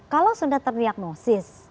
kalau sudah terdiagnosis